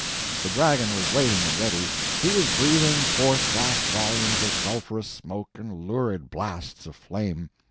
The dragon was waiting and ready. He was breathing forth vast volumes of sulphurous smoke and lurid blasts of flame.